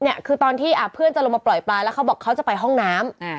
เนี่ยคือตอนที่เพื่อนจะลงมาปล่อยปลาแล้วเขาบอกเขาจะไปห้องน้ำ